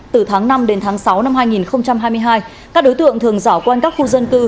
từ tháng năm đến tháng sáu năm hai nghìn hai mươi hai các đối tượng thường giảo quanh các khu dân cư